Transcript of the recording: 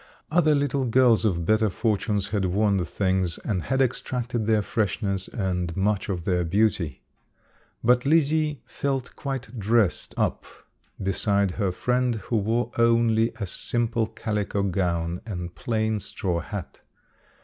Other little girls of better fortunes had worn the things and had extracted their freshness and much of their beauty. But Lizzie felt quite dressed up beside her friend who wore only a simple calico gown and plain straw hat.